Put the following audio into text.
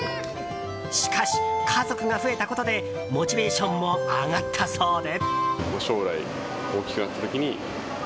しかし、家族が増えたことでモチベーションも上がったそうで。